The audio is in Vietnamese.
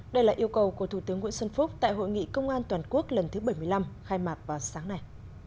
đây là yêu cầu của thủ tướng nguyễn xuân phúc tại hội nghị công an toàn quốc lần thứ bảy mươi năm khai mạc vào sáng nay